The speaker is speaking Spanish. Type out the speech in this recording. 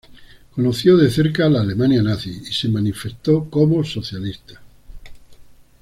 Conoció de cerca la Alemania nazi y se manifestó como socialista.